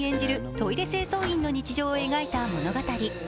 トイレ清掃員の日常を描いた物語。